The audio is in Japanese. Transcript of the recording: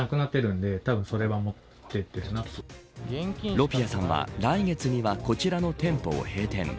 ロピアさんは来月にはこちらの店舗を閉店。